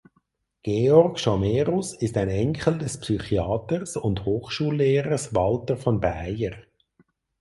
Georg Schomerus ist ein Enkel des Psychiaters und Hochschullehrers Walter von Baeyer.